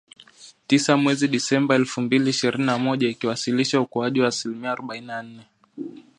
Tisa mwezi Disemba elfu mbili ishirini na moja, ikiwasilisha ukuaji wa asilimia arobaini na nne.